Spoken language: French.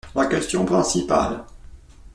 La question principale.